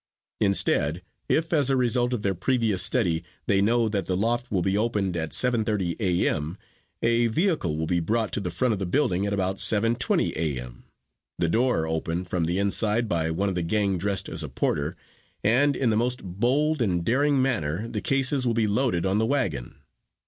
Instead, if as a result of their previous study, they know that the loft will be opened at 7:30 A. M., a vehicle will be brought to the front of the building at about 7:20 A. M., the door opened from the inside by one of the gang dressed as a porter, and in the most bold and daring manner the cases will be loaded on the wagon.